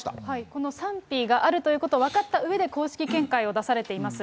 この賛否があるということを分かったうえで公式見解を出されています。